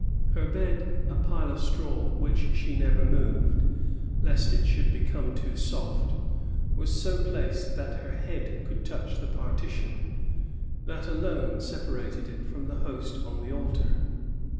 Her bed, a pile of straw which she never moved, lest it should become too soft, was so placed that her head could touch the partition which alone separated it from the Host on the altar.